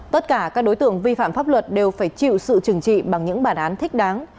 tất cả các đối tượng vi phạm pháp luật đều phải chịu sự trừng trị bằng những bản án thích đáng